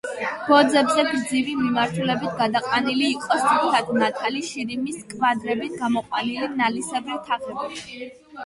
ბოძებზე გრძივი მიმართულებით გადაყვანილი იყო სუფთად ნათალი შირიმის კვადრებით გამოყვანილი, ნალისებრი თაღები.